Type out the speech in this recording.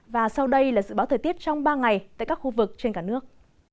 và sau đây là dự báo thời tiết trong ba ngày tại các khu vực trên cả nước